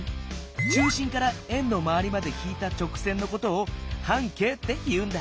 中心から円のまわりまで引いた直線のことを半径って言うんだ。